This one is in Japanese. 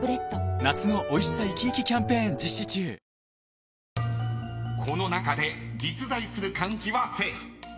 ニトリ［この中で実在する漢字はセーフ。